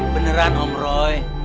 beneran om roy